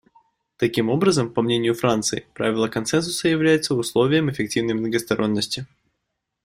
Таким образом, по мнению Франции, правило консенсуса является условием эффективной многосторонности.